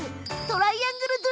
トライアングル！